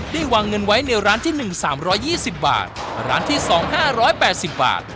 ได้วางเงินไว้ในร้านที่หนึ่งสามร้อยยี่สิบบาทร้านที่สองห้าร้อยแปดสิบบาท